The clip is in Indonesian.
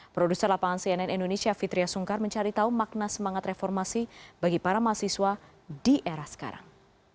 produser lapangan cnn indonesia fitriah sungkar mencari tahu makna semangat reformasi bagi para mahasiswa di era sekarang